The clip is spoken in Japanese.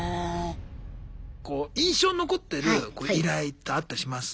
こう印象に残ってる依頼ってあったりします？